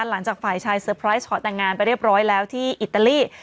หลังจากฝ่ายชายเตอร์ไพรส์ชอตแต่งงานไปเรียบร้อยแล้วที่อิตาลี